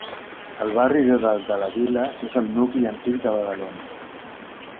El barri de Dalt de la Vila és el nucli antic de Badalona.